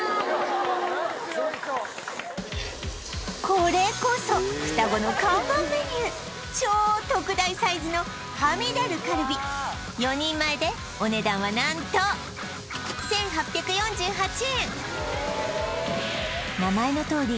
これこそふたごの看板メニュー超特大サイズのはみ出るカルビ４人前でお値段は何と１８４８円名前のとおり